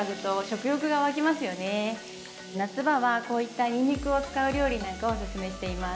夏場はこういったにんにくを使う料理なんかをおすすめしています。